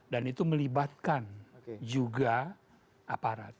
dan itu melibatkan juga aparat